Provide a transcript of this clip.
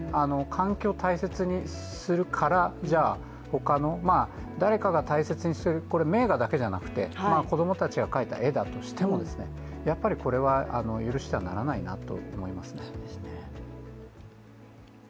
環境を大切にするからじゃ、他の、誰かが大切にしている、名画だけじゃなくて、子供たちの描いた絵としてもやっぱりこれは許してはならないなと思いますね。